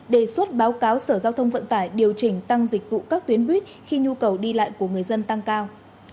đề xuất báo cáo sở giao thông vận tải điều chỉnh tăng dịch vụ các tuyến buýt khi nhu cầu đi lại của người dân tăng cao